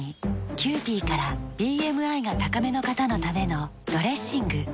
キユーピーからＢＭＩが高めの方のためのドレッシング。